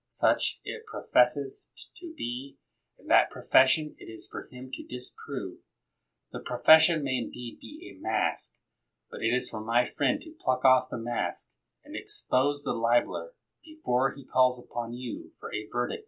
Such it professes to be, and that profession it is for him to disprove. The profession may indeed be "a mask"; but it is for my friend to pluck off the mask, and expose the libeler, before he calls upon you for a verdict of guilty.